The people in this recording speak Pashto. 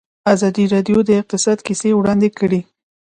ازادي راډیو د اقتصاد کیسې وړاندې کړي.